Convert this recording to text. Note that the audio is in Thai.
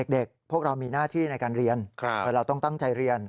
เด็กพวกเรามีหน้าที่ในการเรียนเราต้องตั้งใจเรียน